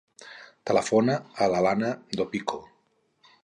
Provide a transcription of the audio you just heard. Telefona a l'Alana Dopico.